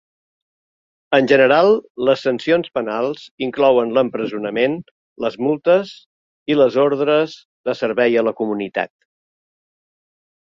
En general, les sancions penals inclouen l'empresonament, les multes i les ordres de servei a la comunitat.